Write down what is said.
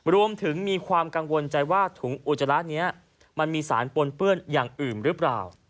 มีความกังวลใจว่าถุงอุจจาระนี้มันมีสารปนเปื้อนอย่างอื่นหรือเปล่า